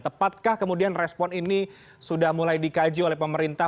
tepatkah kemudian respon ini sudah mulai dikaji oleh pemerintah